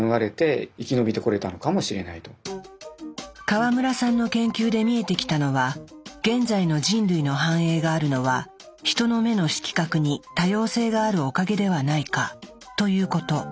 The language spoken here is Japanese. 河村さんの研究で見えてきたのは現在の人類の繁栄があるのはヒトの目の色覚に多様性があるおかげではないかということ。